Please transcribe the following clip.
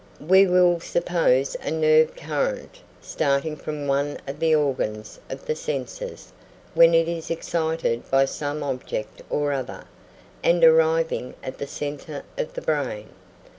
We will suppose a nerve current starting from one of the organs of the senses, when it is excited by some object or other, and arriving at the centre of the brain.